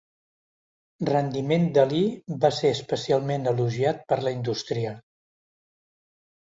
Rendiment d'Ali va ser especialment elogiat per la indústria.